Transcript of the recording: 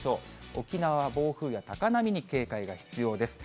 沖縄、暴風や高波に警戒が必要です。